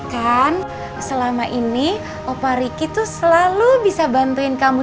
kan selama ini opa ricky tuh selalu bisa bantuin kamu